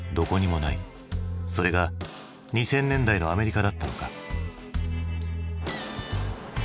それが２０００年代のアメリカだったのか。